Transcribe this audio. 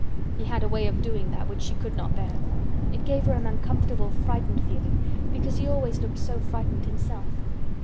He had a way of doing that which she could not bear. It gave her an uncomfortable frightened feeling because he always looked so frightened himself.